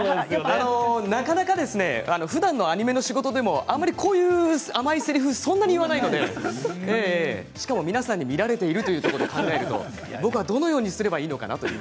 なかなか、ふだんアニメの仕事でもこういう甘いせりふあまり言わないのでしかも皆さんに見られているということを考えると僕はどのようにすればいいのか。